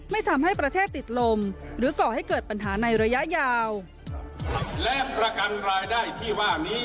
ไม่ทำให้ประเทศติดลมหรือก่อให้เกิดปัญหาในระยะยาว